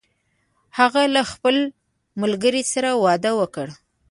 هغې له خپل ملګری سره واده وکړ